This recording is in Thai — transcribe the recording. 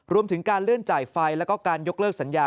รวมถึงการเลื่อนจ่ายไฟแล้วก็การยกเลิกสัญญา